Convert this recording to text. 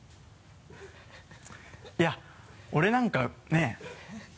いや俺なんかねぇ。